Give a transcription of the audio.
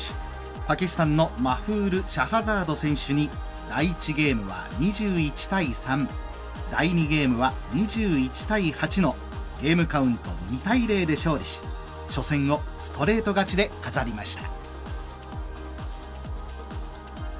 パキスタンのマフール・シャハザード選手に第１ゲームは２１対３第２ゲームは２１対８のゲームカウント２対０で勝利し初戦をストレート勝ちで飾りました。